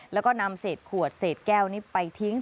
แล้วก็นำเศษขวดเศษแก้วนี้ไปทิ้ง